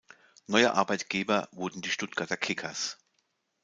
Neuer Arbeitgeber wurden die Stuttgarter Kickers.